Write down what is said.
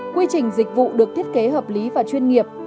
quy trình dịch vụ được thiết kế hợp lý và chuyên nghiệp